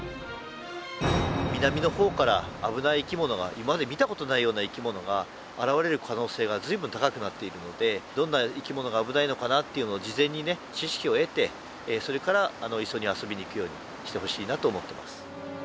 今まで見た事ないような生き物が現れる可能性が随分高くなっているのでどんな生き物が危ないのかなというのを事前にね知識を得てそれから磯に遊びに行くようにしてほしいなと思ってます。